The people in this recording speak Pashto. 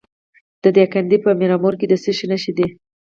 د دایکنډي په میرامور کې د څه شي نښې دي؟